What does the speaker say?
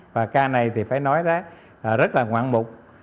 và ca này thì phải nói đó rất là ngoạn mục